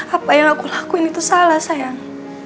apa yang aku lakuin itu salah sayang